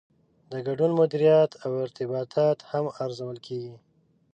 د ګډون مدیریت او ارتباطات هم ارزول کیږي.